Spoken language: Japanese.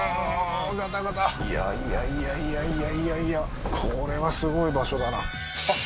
ガタガタいやいやいやいやいやいやいやこれはすごい場所だなあっ